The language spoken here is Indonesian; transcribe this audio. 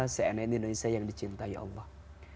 cnn indonesia yang dicintai allah